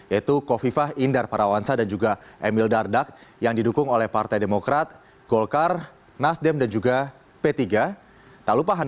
yaitu kofifah indar parawansa dan juga emil dardak yang didukung oleh partai demokrat golkar nasdem dan juga p tiga